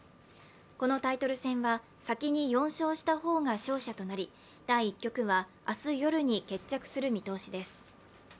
このタイトル戦は、先に４勝した方が勝者となり第１局は明日夜に決着する見通しです。